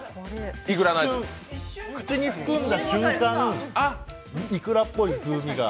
一瞬、口に含んだ瞬間、いくらっぽい風味が。